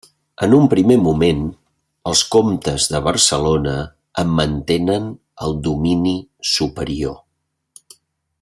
En un primer moment, els comtes de Barcelona en mantenen el domini superior.